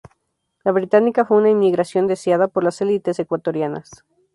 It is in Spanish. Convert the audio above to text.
La británica fue una inmigración deseada por las elites ecuatorianas.